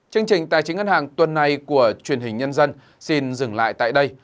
chương trình tài chính ngân hàng tuần này của truyền hình nhân dân xin dừng lại tại đây